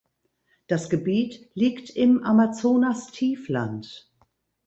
Das Gebiet liegtim Amazonastiefland.